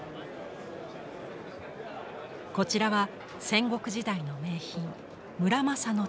こちらは戦国時代の名品村正の短刀。